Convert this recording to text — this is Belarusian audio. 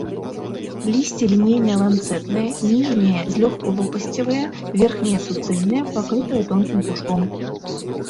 Лісце лінейна-ланцэтнае, ніжняе злёгку лопасцевае, верхняе суцэльнае, пакрытае тонкім пушком.